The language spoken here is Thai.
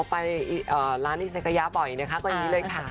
อ๋อไปร้านอิสเกยาะบ่อยนะครับไปอย่างนี้เลยค่ะ